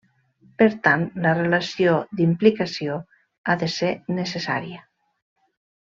Per tant la relació d'implicació ha de ser necessària.